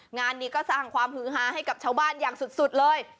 งานนี้ก็สร้างความฮือฮาให้กับชาวบ้านอย่างสุดเลย